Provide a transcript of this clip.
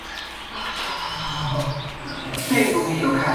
Con el frustrado Asedio de Bilbao los carlistas movieron el mando a Estella.